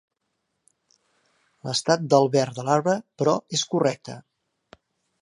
L'estat del verd de l'arbre, però, és correcte.